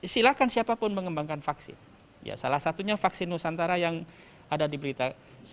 silakan siapapun mengembangkan vaksin salah satunya vaksin nusantara yang ada di berita